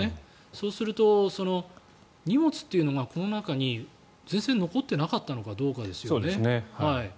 そうすると、荷物というのがこの中に全然残っていなかったのかどうかですよね。